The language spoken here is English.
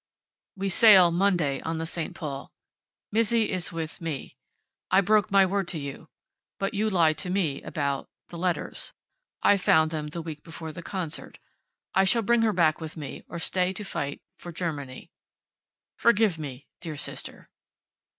"We sail Monday on the St. Paul. Mizzi is with me. I broke my word to you. But you lied to me about the letters. I found them the week before the concert. I shall bring her back with me or stay to fight for Germany. Forgive me, dear sister."